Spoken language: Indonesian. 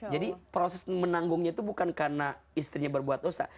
jadi proses menanggungnya itu bukan karena istrinya berbuat dosa